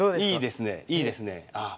いいですねいいですね。